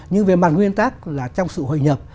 nhưng về mặt nguyên tác là trong sự hội nhập